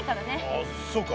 ああそうか。